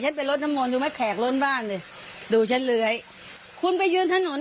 ไปลดน้ำมนต์ดูไหมแขกล้นบ้านเลยดูฉันเลื้อยคุณไปยืนถนน